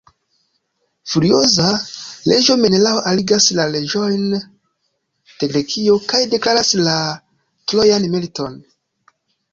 Furioza, reĝo Menelao arigas la reĝojn de Grekio, kaj deklaras la Trojan militon.